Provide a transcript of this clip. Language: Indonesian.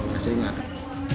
nah ini sudah